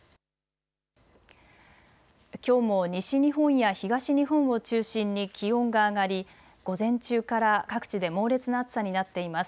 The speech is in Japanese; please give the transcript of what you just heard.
きょうも西日本や東日本を中心に気温が上がり午前中から各地で猛烈な暑さになっています。